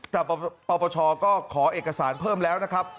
แต่ปปชก็ขอเอกสารเพิ่มแล้วนะครับ